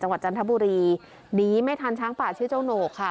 จันทบุรีหนีไม่ทันช้างป่าชื่อเจ้าโหนกค่ะ